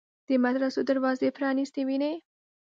د مدرسو دروازې پرانیستې ویني.